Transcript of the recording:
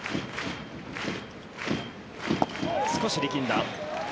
少し力んだ。